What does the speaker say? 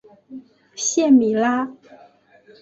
谢米拉。